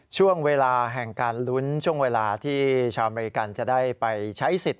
ช่วงเวลาแห่งการลุ้นช่วงเวลาที่ชาวอเมริกันจะได้ไปใช้สิทธิ์